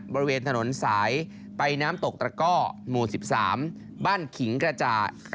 บริเวณถนนสายไปน้ำตกตระก้อหมู่๑๓บ้านขิงกระจ่า